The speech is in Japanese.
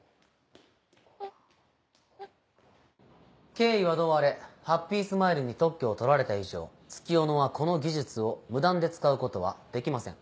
経緯はどうあれハッピースマイルに特許を取られた以上月夜野はこの技術を無断で使うことはできません。